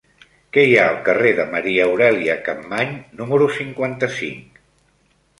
Què hi ha al carrer de Maria Aurèlia Capmany número cinquanta-cinc?